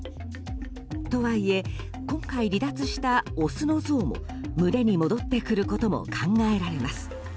とはいえ、今回離脱したオスのゾウも群れに戻ってくることも考えられます。